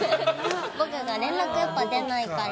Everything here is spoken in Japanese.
僕が連絡に出ないから。